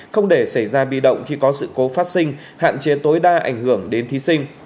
không để xảy ra bi động khi có sự cố phát sinh hạn chế tối đa ảnh hưởng đến thí sinh